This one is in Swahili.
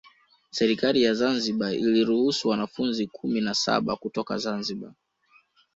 Serikali ya Zanzibar iliruhusu wanafunzi kumi na saba kutoka Zanzibar